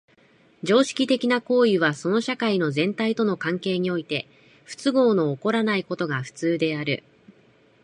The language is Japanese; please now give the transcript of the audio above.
常識的な行為はその社会の全体との関係において不都合の起こらないのが普通である。